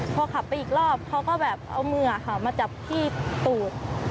พอขับไปอีกรอบเขาก็แบบเอามือมาจับที่ตูด